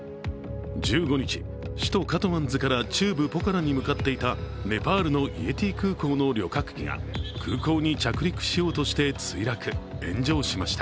１５日、首都カトマンズから中部ポカラに向かっていたネパールのイエティ航空の旅客機が空港に着陸しようとして墜落、炎上しました。